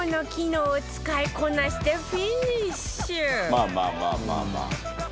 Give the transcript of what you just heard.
「まあまあまあまあまあ」